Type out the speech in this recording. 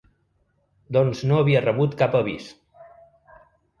Doncs no havia rebut cap avis.